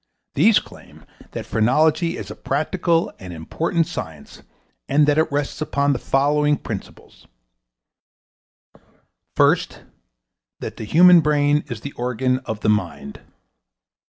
These claim that phrenology is a practical and important science and that it rests upon the following principles: First That the human brain is the organ of the mind.